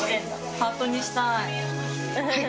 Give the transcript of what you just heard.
ハートにしたい。